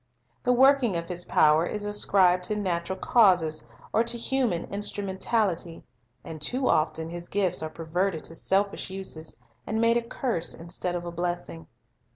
The working of His power is ascribed to natural causes or to human instrumentality, and too often His gifts are perverted to selfish uses, and made a curse instead of a blessing.